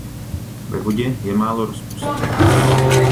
Ve vodě je málo rozpustný.